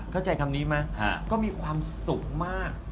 เข้าใจคำนี้ไหมก็มีความสุขมาก